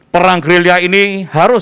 perang guerilla ini harus